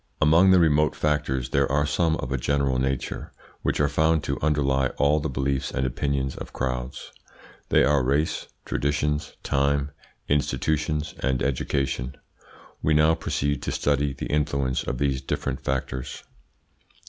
Among the remote factors there are some of a general nature, which are found to underlie all the beliefs and opinions of crowds. They are race, traditions, time, institutions, and education. We now proceed to study the influence of these different factors.